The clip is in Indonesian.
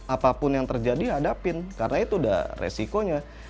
apapun yang terjadi hadapin karena itu udah resikonya